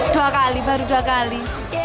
dua kali baru dua kali